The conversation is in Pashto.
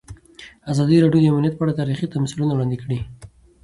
ازادي راډیو د امنیت په اړه تاریخي تمثیلونه وړاندې کړي.